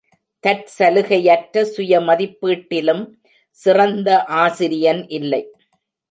தற்சலுகையற்ற சுயமதிப்பீட்டிலும் சிறந்த ஆசிரியன் இல்லை.